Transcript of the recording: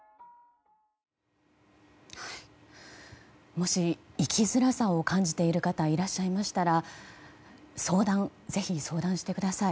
もし生きづらさを感じている方いらっしゃいましたらぜひ、相談してください。